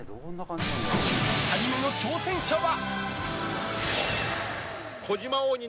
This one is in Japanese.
２人目の挑戦者は。